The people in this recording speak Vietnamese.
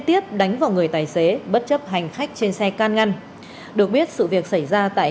tiếp đánh vào người tài xế bất chấp hành khách trên xe can ngăn được biết sự việc xảy ra tại